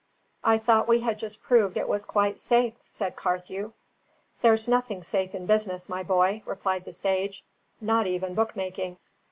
"I thought we had just proved it was quite safe," said Carthew. "There's nothing safe in business, my boy," replied the sage; "not even bookmaking."